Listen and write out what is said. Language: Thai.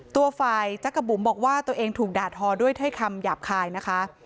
ตัวไฟล์จั๊กกะบุ๋มบอกว่าตัวเองถูกดาดธอด้วยเท่าไหร่คำหยาบคายนะคะ